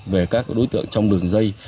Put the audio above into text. về các đối tượng trong đường dây